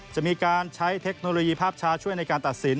จะมีการใช้เทคโนโลยีภาพชาช่วยในการตัดสิน